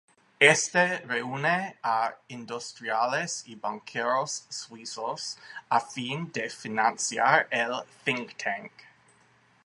Éste reúne a industriales y banqueros suizos a fin de financiar el "think tank".